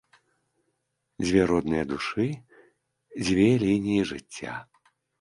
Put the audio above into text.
Дзве родныя душы, дзве лініі жыцця.